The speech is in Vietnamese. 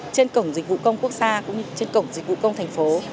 trên cổng dịch vụ công quốc gia cũng như trên cổng dịch vụ công thành phố